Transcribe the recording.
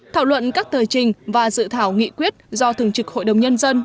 thảo luận các thờ trình và dự thảo nghị quyết do thường trực hội đồng nhân dân